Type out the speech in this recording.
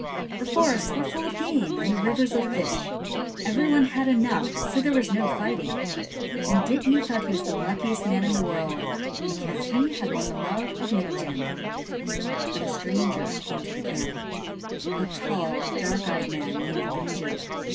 The forests were full of game, and the rivers of fish : every one had enough, so there was no fighting. And Dityi thought he was the luckiest man in the world, because he had won the love of Mitjen. But a stranger came to the camp : a tall dark eyed man named Bunjil.